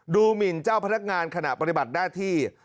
หมินเจ้าพนักงานขณะปฏิบัติหน้าที่